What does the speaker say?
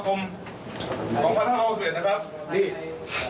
ของ๑๕๙๑นะครับ